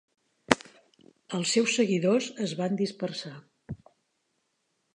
Els seus seguidors es van dispersar.